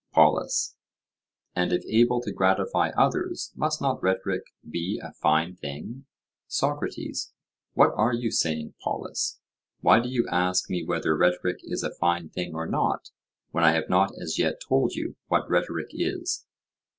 POLUS: And if able to gratify others, must not rhetoric be a fine thing? SOCRATES: What are you saying, Polus? Why do you ask me whether rhetoric is a fine thing or not, when I have not as yet told you what rhetoric is?